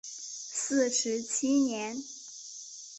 四十七年。